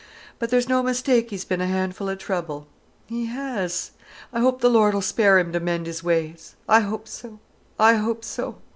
But there's no mistake he's been a handful of trouble, he has! I hope the Lord'll spare him to mend his ways. I hope so, I hope so.